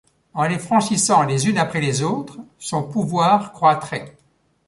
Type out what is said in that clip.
En les franchissant les unes après les autres, son pouvoir croîtrait.